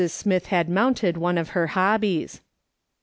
Smith had mounted one of her hobbies.